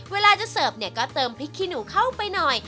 เวลาจะเสิร์ฟเนี่ยก็เติมพริกขี้หนูเข้าไปหน่อย